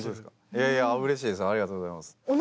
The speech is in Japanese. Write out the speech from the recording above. いやいやうれしいですありがとうございます。